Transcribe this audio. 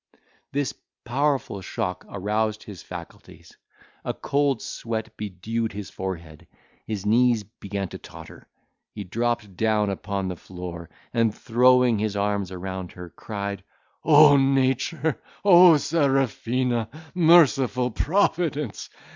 This powerful shock aroused his faculties; a cold sweat bedewed his forehead; his knees began to totter; he dropped upon the floor, and throwing his arms around her, cried, "O nature! O Serafina! Merciful Providence!